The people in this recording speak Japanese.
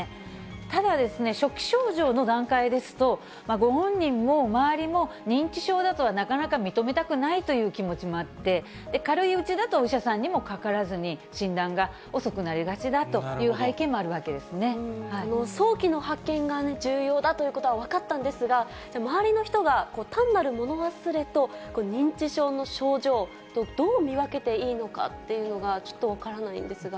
ただですね、初期症状の段階ですと、ご本人も周りも、認知症だとはなかなか認めたくないという気持ちもあって、軽いうちだとお医者さんにもかからずに、診断が遅くなりがちだと早期の発見が重要だということは分かったんですが、周りの人が、単なる物忘れと認知症の症状と、どう見分けていいのかっていうのが、ちょっと分からないんですが。